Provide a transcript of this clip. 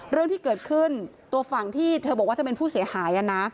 เรื่องที่เกิดขึ้นตัวฝั่งที่เธอบอกว่าเธอเป็นผู้เสียหายนะ